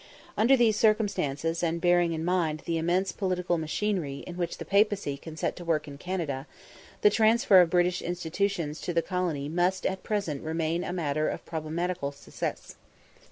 Under these circumstances, and bearing in mind the immense political machinery which the Papacy can set to work in Canada, the transfer of British institutions to the colony must at present remain a matter of problematical success.